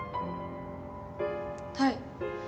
はい。